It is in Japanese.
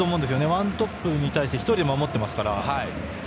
ワントップに対して１人で守っていますから。